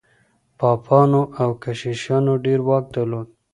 پاپانو او کشیشانو ډېر واک درلود.